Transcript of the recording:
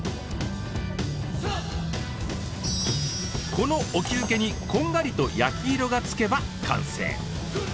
この沖漬けにこんがりと焼き色が付けば完成。